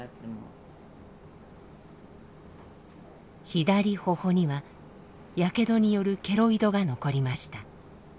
左頬にはやけどによるケロイドが残りました。